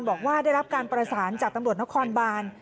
บอกว่าได้รับการประสานจากตำรวจนครบาน